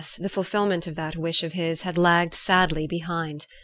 the fulfilment of that wish of his had lagged sadly behind.